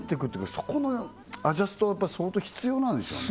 そこのアジャストは相当必要なんでしょうね